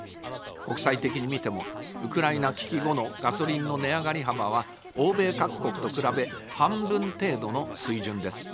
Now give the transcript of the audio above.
国際的に見ても、ウクライナ危機後のガソリンの値上がり幅は、欧米各国と比べ、半分程度の水準です。